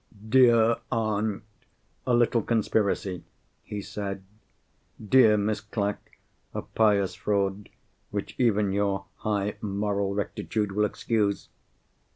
"Dear aunt, a little conspiracy!" he said. "Dear Miss Clack, a pious fraud which even your high moral rectitude will excuse!